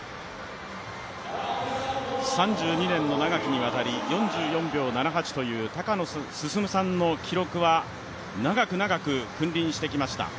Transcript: ３２年の長きにわたり４４秒７８という高野進さんの記録は長く長く君臨してきました。